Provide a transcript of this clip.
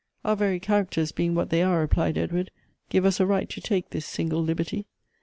"Our very characters being what they are," replied Edward, "give us a right to take this single liberty.